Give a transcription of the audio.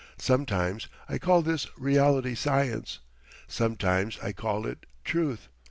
Sometimes I call this reality Science, sometimes I call it Truth.